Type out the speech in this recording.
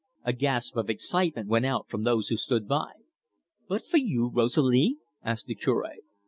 A gasp of excitement went out from those who stood by. "But for you, Rosalie?" asked the Cure.